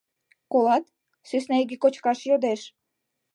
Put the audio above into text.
— Колат, сӧсна иге кочкаш йодеш.